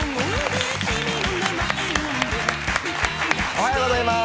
おはようございます。